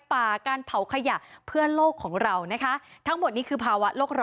โปรดติดตามตอนต่อไป